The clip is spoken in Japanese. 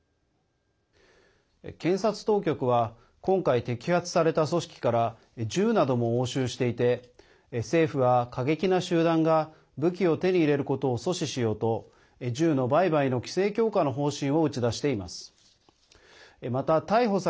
検察当局は今回、摘発された組織から銃なども押収していて政府は過激な集団が武器を手に入れることを阻止しようと銃の売買の規制強化の方針を打ち出しています。